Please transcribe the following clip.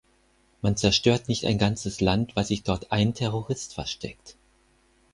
Man zerstört nicht ein ganzes Land, weil sich dort ein Terrorist versteckt.